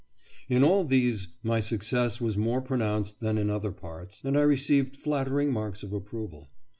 In all these my success was more pronounced than in other parts, and I received flattering marks of approval.